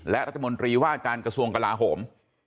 และรัฐมนตรีว่าการกระทรวงกลาโหม